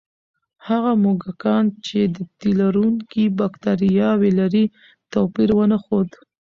هغه موږکان چې د تیلرونکي بکتریاوې لري، توپیر ونه ښود.